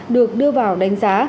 được đưa vào đánh giá